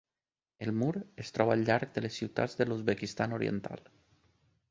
El mur es troba al llarg de les ciutats de l'Uzbekistan oriental.